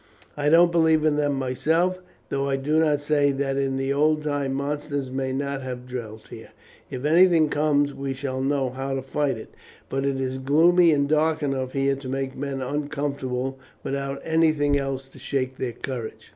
I don't believe in them myself, though I do not say that in the old time monsters may not have dwelt here. If anything comes we shall know how to fight it; but it is gloomy and dark enough here to make men uncomfortable without anything else to shake their courage."